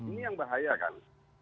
ini yang bahaya kan